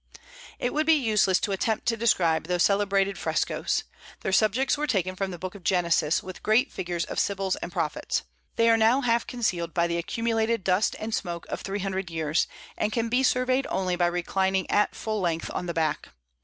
It would be useless to attempt to describe those celebrated frescos. Their subjects were taken from the Book of Genesis, with great figures of sibyls and prophets. They are now half concealed by the accumulated dust and smoke of three hundred years, and can be surveyed only by reclining at full length on the back.